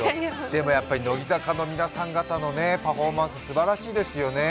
でも、やっぱり乃木坂の皆さん方のパフォーマンス、すばらしいですよね。